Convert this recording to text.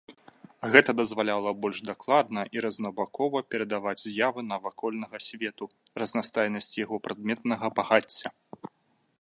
Гэта дазваляла больш дакладна і рознабакова перадаваць з'явы навакольнага свету, разнастайнасць яго прадметнага багацця.